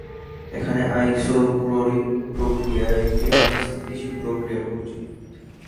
এখানে আইসোক্রোরিক প্রক্রিয়া একটি আধা-স্থিতিশীল প্রক্রিয়া হওয়া উচিত।